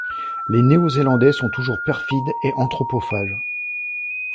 Les Néo-Zélandais sont toujours perfides et anthropophages.